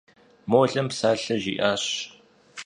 Молэм псалъэ жиӏащ.